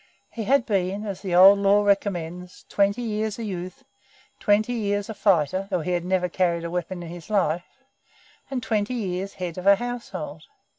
He had been, as the Old Law recommends, twenty years a youth, twenty years a fighter, though he had never carried a weapon in his life, and twenty years head of a household.